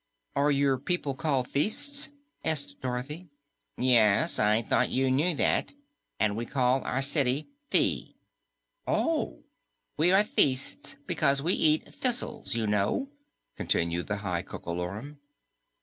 "Are your people called Thists?" asked Dorothy. "Yes. I thought you knew that. And we call our city Thi." "Oh!" "We are Thists because we eat thistles, you know," continued the High Coco Lorum.